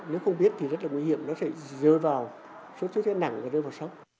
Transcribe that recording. nếu không biết thì rất là nguy hiểm nó sẽ rơi vào sốt xuất huyết nặng rơi vào sốc